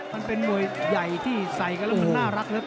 มันเป็นมวยใหญ่ที่ใส่กันแล้วมันน่ารักครับ